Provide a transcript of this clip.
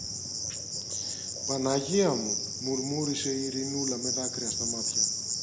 Παναγία μου! μουρμούρισε η Ειρηνούλα με δάκρυα στα μάτια.